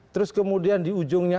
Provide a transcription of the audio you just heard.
terus kemudian di ujungnya